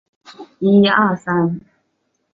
络蛱蝶属是蛱蝶亚科网蛱蝶族中的一个属。